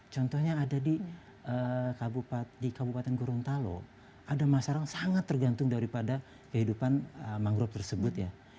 contohnya ada di kabupaten gorontalo ada masyarakat yang sangat tergantung daripada kehidupan mangrove tersebut ya